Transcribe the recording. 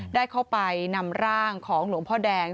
ได้เข้าไปนำร่างของหลวงพ่อแดง